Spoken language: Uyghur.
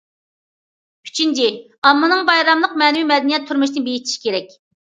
ئۈچىنچى، ئاممىنىڭ بايراملىق مەنىۋى مەدەنىيەت تۇرمۇشىنى بېيىتىش كېرەك.